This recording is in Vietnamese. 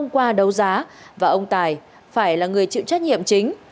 câu giá và ông tài phải là người chịu trách nhiệm chính